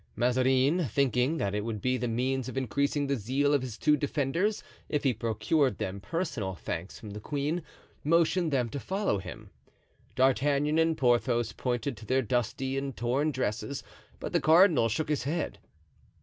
Mazarin, thinking that it would be the means of increasing the zeal of his two defenders if he procured them personal thanks from the queen, motioned them to follow him. D'Artagnan and Porthos pointed to their dusty and torn dresses, but the cardinal shook his head.